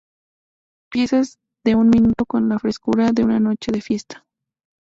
Piezas de un minuto con la frescura de una noche de fiesta.